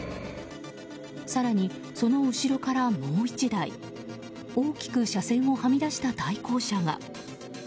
更に、その後ろからもう１台大きく車線をはみ出した対向車が。